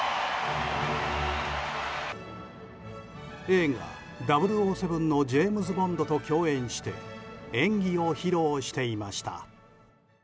映画「００７」のジェームズ・ボンドと共演して演技を披露していました。